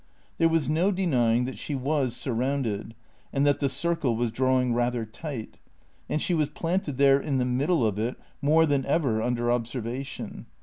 There was no denying that she was surrounded, and that the circle was drawing rather tight. And she was planted there in the middle of it, more than ever under observation.